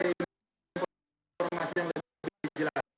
informasi yang lebih jelas